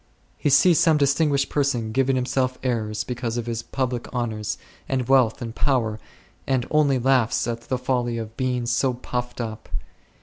He sees some distinguished person giving himself airs because of his public honours, and wealth, and power, and only laughs at the folly of being so puffed up.